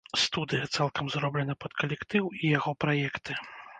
Студыя цалкам зроблена пад калектыў і яго праекты.